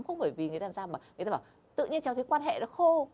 không bởi vì người ta làm sao mà người ta bảo tự nhiên cháu thấy quan hệ nó khô